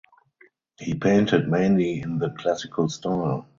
He painted mainly in the Classical style.